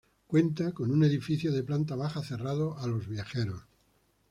Cuenta con un edificio de planta baja cerrado a los viajeros.